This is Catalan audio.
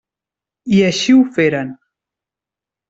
I així ho feren.